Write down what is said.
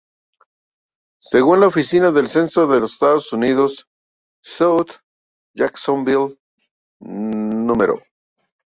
Según la Oficina del Censo de los Estados Unidos, South Jacksonville No.